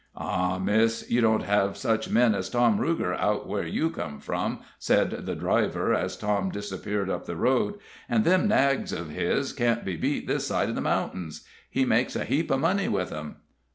"Ah, Miss, you don't have such men as Tom Ruger out where you come from," said the driver, as Tom disappeared up the road. "And them nags of his'n can't be beat this side of the mountains. He makes a heap o' money with 'em."